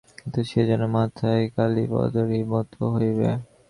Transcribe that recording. কিন্তু সে যেন মাথায় কালীপদরই মতো হইবে।